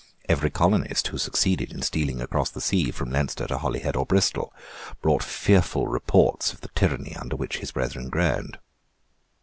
Every colonist who succeeded in stealing across the sea from Leinster to Holyhead or Bristol, brought fearful reports of the tyranny under which his brethren groaned.